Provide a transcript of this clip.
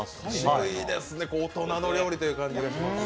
渋いですね、大人の料理という感じがしますね。